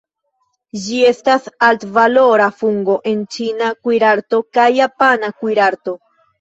Ĝi estas altvalora fungo en ĉina kuirarto kaj japana kuirarto.